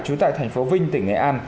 chú tại thành phố vinh tỉnh nghệ an